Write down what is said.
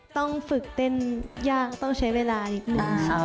ต้องฝึกเต้นยากต้องใช้เวลานิดหนึ่ง